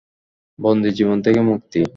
বন্দী জীবন থেকে মুক্তি?